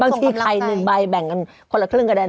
บางที่ไข่หนึ่งใบแบ่งกันคนละครึ่งก็ได้แหละ